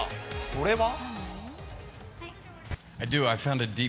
それは。